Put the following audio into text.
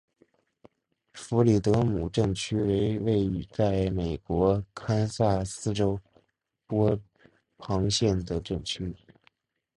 弗里德姆镇区为位在美国堪萨斯州波旁县的镇区。